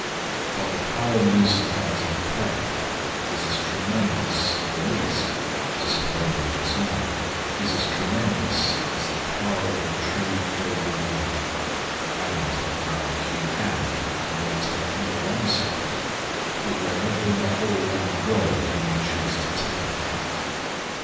But the power loosened out through prayer is as tremendous, at the least, to say no more just now, is as tremendous as the power of a true fragrant life and, mark you, and, may touch not one spot but wherever in the whole round world you may choose to turn it.